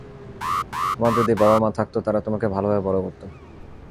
তোমার যদি বাবা-মা থাকত, তারা তোমাকে ভালভাবে বড় করত।